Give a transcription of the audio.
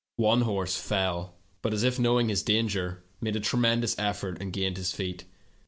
"One horse fell, but, as if knowing his danger, made a tremendous effort and gained his feet.